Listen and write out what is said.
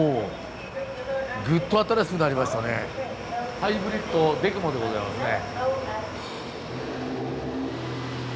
ハイブリッドＤＥＣＭＯでございますね。